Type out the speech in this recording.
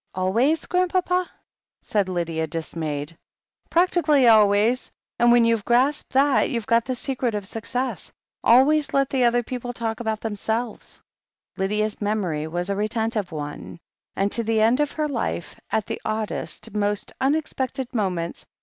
'Always, Grandpapa?" said Lydia, dismayed. 'Practically always, and when you've grasped that, you've got the secret of success. Always let the other people talk about themselves/^ Lydia's memory was a retentive one, and to the end of her life, at the oddest, most unexpected moments.